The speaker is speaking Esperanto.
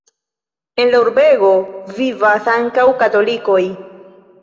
En la urbego vivas ankaŭ katolikoj.